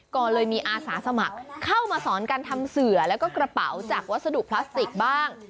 ก็เลยมีอาสาสมัครเข้ามาสอนการทำเสือแล้วก็กระเป๋าจากวัสดุพลาสติกบ้าง